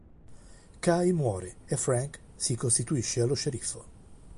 Kay muore e Frank si costituisce allo sceriffo.